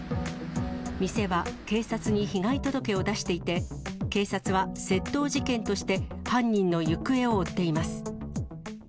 店は警察に被害届を出していて、警察は窃盗事件として、犯人の行方を追っています。